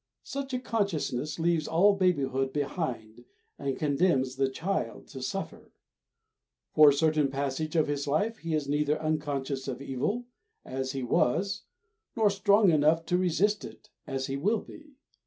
Such a consciousness leaves all babyhood behind and condemns the child to suffer. For a certain passage of his life he is neither unconscious of evil, as he was, nor strong enough to resist it, as he will be.